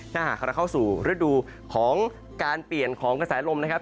ถ้าหากเราเข้าสู่ฤดูของการเปลี่ยนของกระแสลมนะครับ